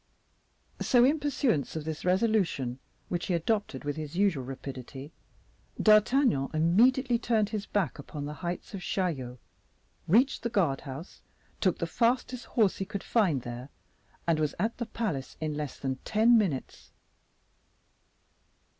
So, in pursuance of this resolution, which he adopted with his usual rapidity, D'Artagnan immediately turned his back upon the heights of Chaillot, reached the guard house, took the fastest horse he could find there, and was at the palace in less than ten minutes.